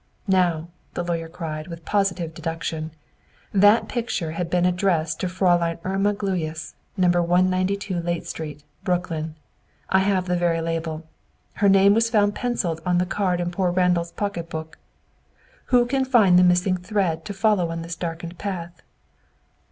"Now," the lawyer cried, with positive deduction, "that picture had been addressed to Fräulein Irma Gluyas, No. 192 Layte Street, Brooklyn. I have the very label. Her name was found pencilled on the card in poor Randall's pocketbook. Who can find the missing thread to follow on this darkened path?"